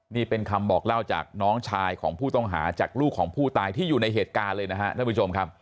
นี่เป็นคำบอกเล่าจากน้องชายของผู้ต้องหาจากลูกของผู้ตายที่อยู่ในเหตุการณ์เลยนะครับท่านผู้ชมครับ